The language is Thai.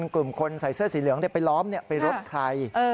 กลุ่มคนใส่เสื้อสีเหลืองไปล้อมเป็นรถใคร